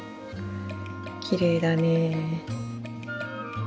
きれいだね。